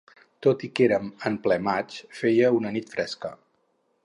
Tot i que érem en ple maig, feia una nit fresca